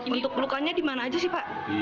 untuk lukanya di mana aja sih pak